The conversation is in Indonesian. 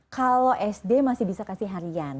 kalau sd masih bisa kasih harian